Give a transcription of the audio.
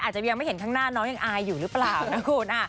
อาจจะยังไม่เห็นข้างหน้าน้องยังอายอยู่หรือเปล่านะคุณ